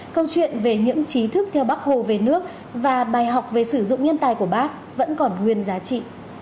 câu chuyện về những trí thức theo bác hồ về nước và bài học về sử dụng nhân tài của bác vẫn còn nguyên giá trị